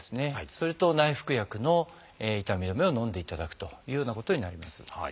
それと内服薬の痛み止めをのんでいただくというようなことになります。